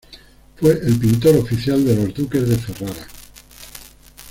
Fue el pintor oficial de los duques de Ferrara.